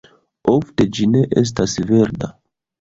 Ofte ĝi ne estas verda.